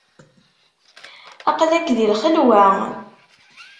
Aql-ak di lxelwa.